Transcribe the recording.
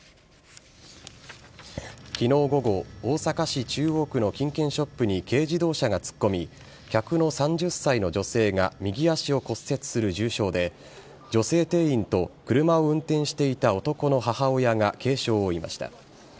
昨日午後大阪市中央区の金券ショップに軽自動車が突っ込み客の３０歳の女性が右足を骨折する重傷で女性店員と車を運転していた男の母親が軽傷を負いました。